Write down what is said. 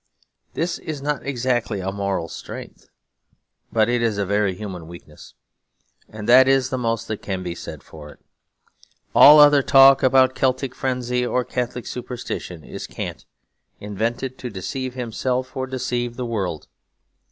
This is not exactly a moral strength, but it is a very human weakness; and that is the most that can be said for it. All other talk, about Celtic frenzy or Catholic superstition, is cant invented to deceive himself or to deceive the world.